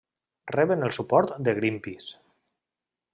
Reben el suport de Greenpeace.